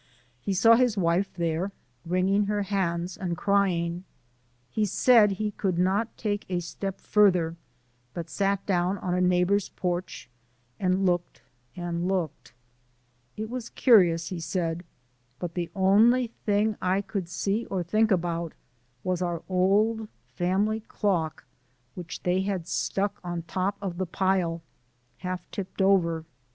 He saw his wife there wringing her hands and crying. He said he could not take a step further, but sat down on a neighbour's porch and looked and looked. "It was curious," he said, "but the only thing I could see or think about was our old family clock which they had stuck on top of the pile, half tipped over.